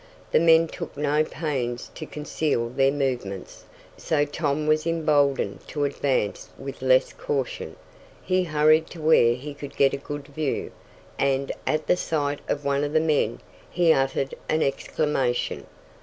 The men took no pains to conceal their movements, so Tom was emboldened to advance with less caution. He hurried to where he could get a good view, and, at the sight of one of the men, he uttered an exclamation.